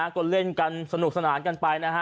ก็เล่นกันสนุกสนานกันไปนะฮะ